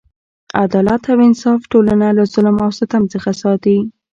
عدالت او انصاف ټولنه له ظلم او ستم څخه ساتي.